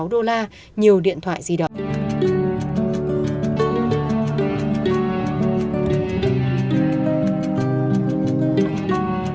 đô la nhiều điện thoại di động